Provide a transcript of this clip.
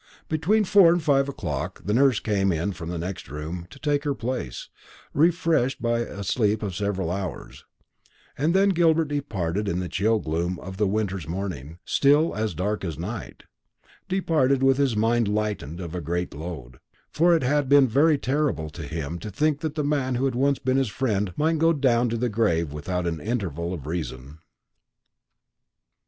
Between four and five o'clock the nurse came in from the next room to take her place, refreshed by a sleep of several hours; and then Gilbert departed in the chill gloom of the winter's morning, still as dark as night, departed with his mind lightened of a great load; for it had been very terrible to him to think that the man who had once been his friend might go down to the grave without an interval of reason.